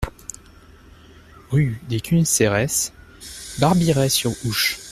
Rue des Cunisseres, Barbirey-sur-Ouche